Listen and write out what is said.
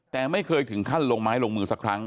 แต่ไม่เคยถึงขั้นลงไม้ลงมือสักครั้ง